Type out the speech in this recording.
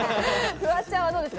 フワちゃんは、どうですか？